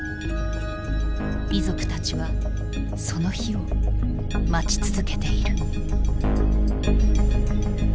遺族たちはその日を待ち続けている。